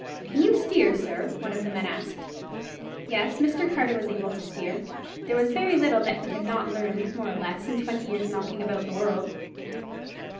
"Can you steer, sir?" one of the men asked. Yes, Mr. Carter was able to steer. There was very little that he had not learned more or less in twenty years' knocking about the world.